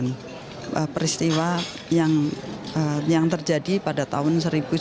ini adalah peristiwa yang terjadi pada tahun seribu sembilan ratus enam puluh lima